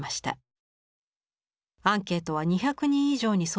アンケートは２００人以上に送付されましたが